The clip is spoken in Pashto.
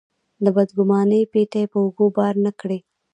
د بدګمانۍ پېټی په اوږو بار نه کړي.